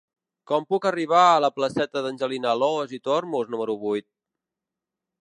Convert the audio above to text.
Com puc arribar a la placeta d'Angelina Alòs i Tormos número vuit?